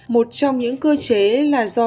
một trong những cơ chế là do